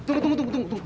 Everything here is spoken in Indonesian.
eh tunggu tunggu tunggu